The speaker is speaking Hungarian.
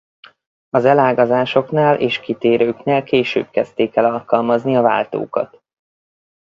Az elágazásoknál és kitérőknél később kezdték el alkalmazni a váltókat.